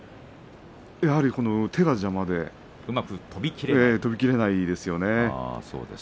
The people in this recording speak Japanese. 手が邪魔で、うまく飛びきれないですよね。